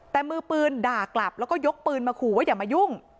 แต่มือปืนด่ากลับแล้วก็ยกปืนมาขู่ว่าอย่ามายุ่ง